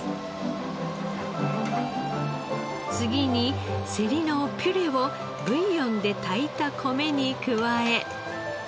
次にセリのピュレをブイヨンで炊いた米に加え。